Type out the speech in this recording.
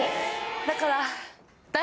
だから。